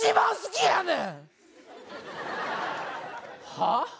はあ？